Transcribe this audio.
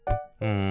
うん。